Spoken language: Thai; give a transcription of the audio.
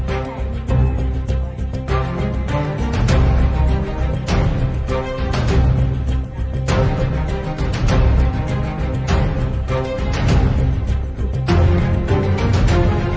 ก็เป็นเหมือนกับว่าน่าจะเป็นเล็ก